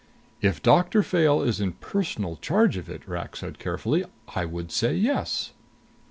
"If Doctor Fayle is in personal charge of it," Rak said carefully, "I would say yes."